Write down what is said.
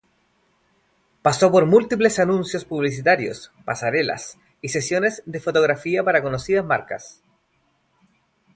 Pasó por múltiples anuncios publicitarios, pasarelas y sesiones de fotografía para conocidas marcas.